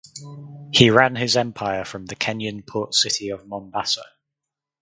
He ran his empire from the Kenyan port city of Mombasa.